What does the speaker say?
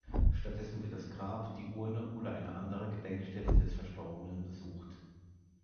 Stattdessen wird das Grab, die Urne oder eine andere Gedenkstätte des Verstorbenen besucht.